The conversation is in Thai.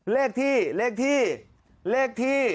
เลขที่เลขที่เลขที่